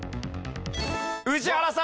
宇治原さん！